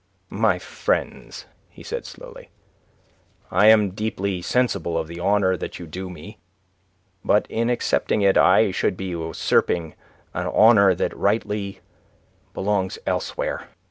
"My friends," he said, slowly, "I am deeply sensible of the honour that you do me. But in accepting it I should be usurping an honour that rightly belongs elsewhere.